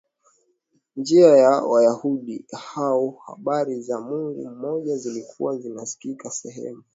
njia ya Wayahudi hao habari za Mungu mmoja zilikuwa zinasikika sehemu